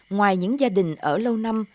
ngoài những gia đình ở lâu năm